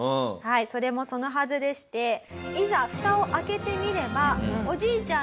それもそのはずでしていざふたを開けてみればおじいちゃん